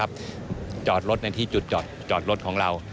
จอดรถในที่จุดจอดรถของเรา